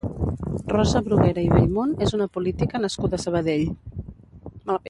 Rosa Bruguera i Bellmunt és una política nascuda a Sabadell.